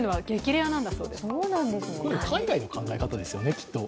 海外の考え方ですよね、きっと。